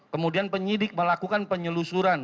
kemudian penyidik melakukan penyelusuran